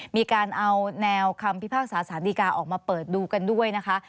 มีการเอาแนวคำพิพากษาสารดีกาออกมาเปิดดูกันด้วยนะคะ